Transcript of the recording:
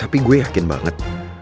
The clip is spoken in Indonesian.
tapi gue yakin banget